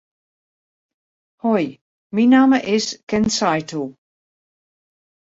Hoi, myn namme is Ken Saitou.